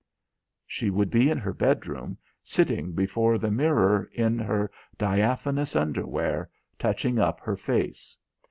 She would be in her bedroom, sitting before the mirror in her diaphanous underwear, touching up her face.